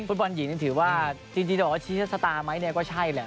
ฟุตบอลหญิงถือว่าจริงจะบอกว่าชีวิตสตาร์ไหมก็ใช่แหละ